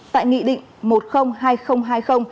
tại nghị định một mươi hai nghìn hai mươi